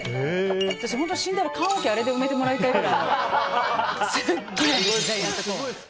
私本当に死んだら棺桶をあれで埋めてもらいたいぐらい。